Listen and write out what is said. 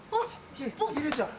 ひるちゃん。